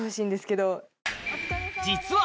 実は！